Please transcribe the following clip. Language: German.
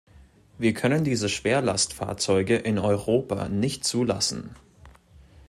Wir können diese Schwerlastfahrzeuge in Europa nicht zulassen.